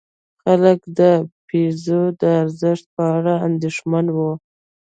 خلک د پیزو د ارزښت په اړه اندېښمن وو.